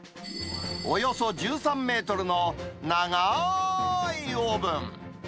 およそ１３メートルの長ーいオーブン。